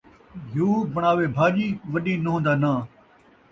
گھیو بݨاوے بھاڄی ، وݙی نون٘ہہ دا ناں